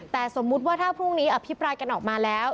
แต่สมมุติว่าถ้าพรุ่งนี้อภิปรายกันออกมาแล้ว